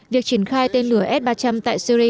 việc triển khai tên lửa s ba trăm linh tại syri